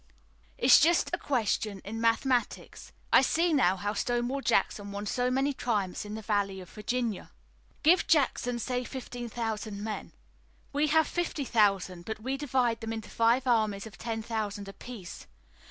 "It's just a question in mathematics. I see now how Stonewall Jackson won so many triumphs in the Valley of Virginia. Give Jackson, say, fifteen thousand men. We have fifty thousand, but we divide them into five armies of ten thousand apiece.